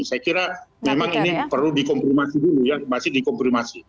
saya kira memang ini perlu dikomprimasi dulu yang masih dikomprimasi